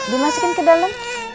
dimasukin ke dalam